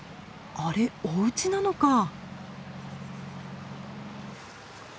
あれおうちなのか！